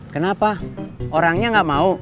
kenapa orangnya gak mau